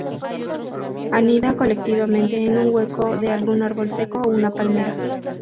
Anida colectivamente en un hueco de algún árbol seco o una palmera.